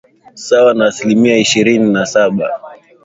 sawa na asilimia ishirini na saba